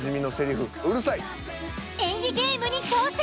演技ゲームに挑戦。